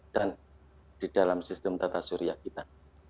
dan di dalam sistem tata surya kita